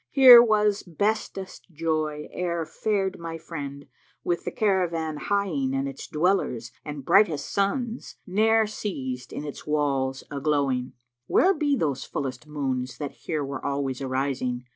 Here was bestest joy ere fared my friend with the caravan hieing * And its dwellers and brightest suns[FN#358] ne'er ceased in its walls a glowing: Where be those fullest moons that here were always arising?